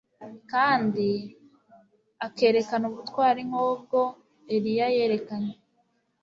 kandi akerekana ubutwari nkubwo Eliya yerekenye